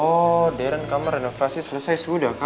oh deren kamar renovasi selesai sudah kah